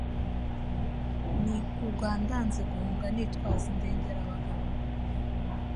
Ndi urwa ndanze guhunga nitwaza indengerabagabo